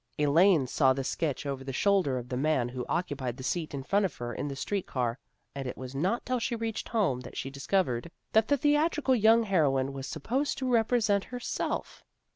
Elaine saw the sketch over the shoulder of the man who occu pied the seat in front of her in the street car, and it was not till she reached home that she discovered that the theatrical young heroine was supposed to represent herself.